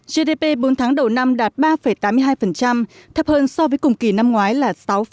gdp bốn tháng đầu năm đạt ba tám mươi hai thấp hơn so với cùng kỳ năm ngoái là sáu bảy mươi chín